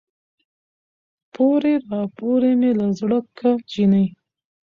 پورې راپورې مې له زړه که جينۍ